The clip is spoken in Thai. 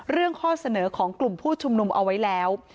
ข้อเสนอของกลุ่มผู้ชุมนุมเอาไว้แล้ว